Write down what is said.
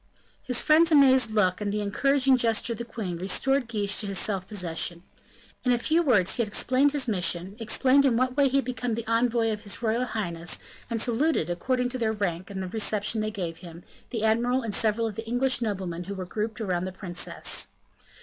His friend's amazed look, and the encouraging gesture of the queen, restored Guiche to his self possession. In a few words he explained his mission, explained in what way he had become envoy of his royal highness; and saluted, according to their rank and the reception they gave him, the admiral and several of the English noblemen who were grouped around the princess.